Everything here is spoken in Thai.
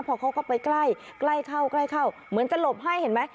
พอเขาก็ไปใกล้ใกล้เข้าใกล้เข้าเหมือนจะหลบให้เห็นไหม